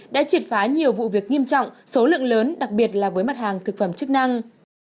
đã triệt phá nhiều vụ việc nghiêm trọng số lượng lớn đặc biệt là với mặt hàng thực phẩm chức năng